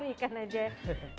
pakai ikan aja ya